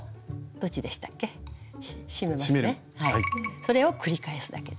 それを繰り返すだけです。